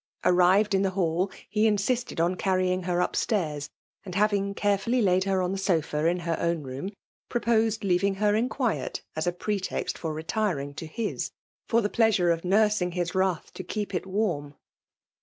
Arrived in the hall, he insisted on carrying her up stairs ; and having carefully laid her on the sofa in her own room, proposed leaving her in quiet as a pretext for retiring to his— for the pleasure of " nursing his wrath to keep it warm.''